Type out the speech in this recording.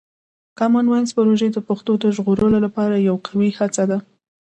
کامن وایس پروژه د پښتو د ژغورلو لپاره یوه قوي هڅه ده.